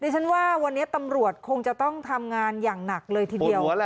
ฉันว่าวันนี้ตำรวจคงจะต้องทำงานอย่างหนักเลยทีเดียว